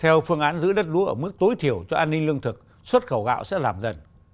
theo phương án giữ đất lúa ở mức tối thiểu cho an ninh lương thực xuất khẩu gạo sẽ giảm dần